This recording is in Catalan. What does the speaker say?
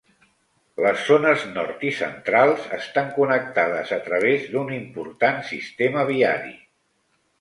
Les zones nord i centrals estan connectades a través d'un important sistema viari.